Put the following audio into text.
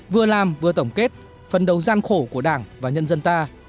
vừa làm vừa tổng kết phân đấu gian khổ của đảng và nhân dân ta